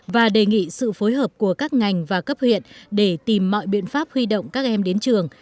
và đề nghị sự phối hợp của các ngành và cấp huyện để tìm mọi biện pháp huy động các em đến trường